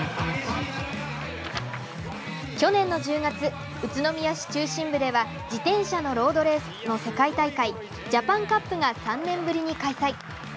去年の１０月宇都宮中心部では自転車ロードレースの世界大会ジャパンカップが３年ぶりに開催。